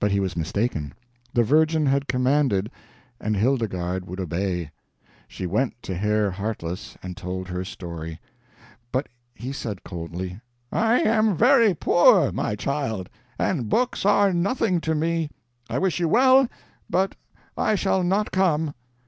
But he was mistaken. The Virgin had commanded, and Hildegarde would obey. She went to Herr Heartless and told her story. But he said coldly "I am very poor, my child, and books are nothing to me. I wish you well, but I shall not come."